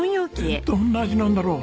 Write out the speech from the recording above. えっどんな味なんだろう？